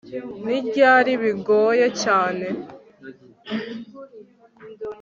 Ni ryari bigoye cyane